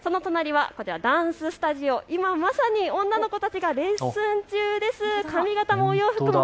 その隣はダンススタジオ、今まさに女の子たちがレッスン中です。